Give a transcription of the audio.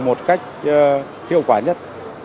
một cách hiệu quả nhất